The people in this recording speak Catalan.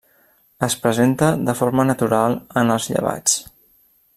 Es presenta de forma natural en els llevats.